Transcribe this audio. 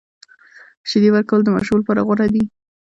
شیدې ورکول د ماشوم لپاره غوره دي۔